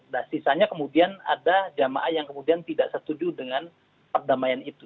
nah sisanya kemudian ada jamaah yang kemudian tidak setuju dengan perdamaian itu